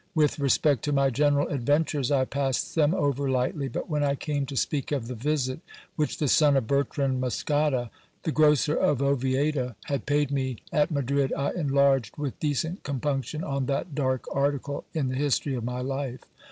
With re spect to my general adventures, I passed them over lightly ; but when I came to speak of the visit which the son of Bertrand Muscada, the grocer of Oviedo, had paid me at Madrid, I enlarged with decent compunction on that dark article in the history of my life.